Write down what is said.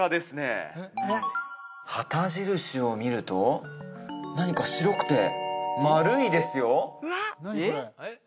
旗印を見ると何か白くて丸いですよ